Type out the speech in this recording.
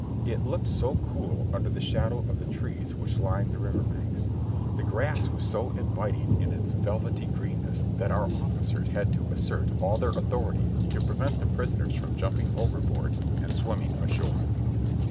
It looked so cool under the shadow of the trees which lined the river banks ; the grass was so inviting in its vel 224 JOHNNY REB AND BILLY YANK vety greenness that our officers had to assert all their authority to prevent the prisoners from jumping overboard and swimming ashore.